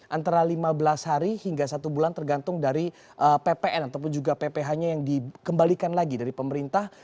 antara lima belas hari hingga satu bulan tergantung dari ppn ataupun juga pph nya yang dikembalikan lagi dari pemerintah